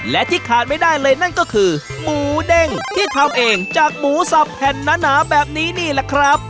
และที่ขาดไม่ได้เลยนั่นก็คือหมูเด้งที่ทำเองจากหมูสับแผ่นหนาแบบนี้นี่แหละครับ